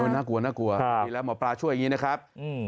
น่ากลัวน่ากลัวดีแล้วหมอปลาช่วยอย่างนี้นะครับ